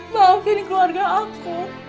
maafin keluarga aku